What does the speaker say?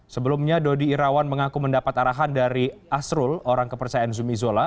sebelumnya dodi irawan mengaku mendapat arahan dari asrul orang kepercayaan zumi zola